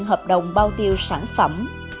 hợp đồng bao tiêu sản phẩm